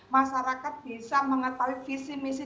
masyarakat bisa mengetahui visi misi